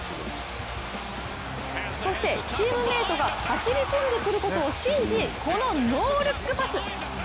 そしてチームメートが走り込んでくることを信じこのノールックパス。